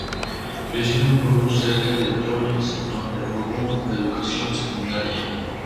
Creció en un pueblo cerca de Troyes, donde aprobó la educación secundaria.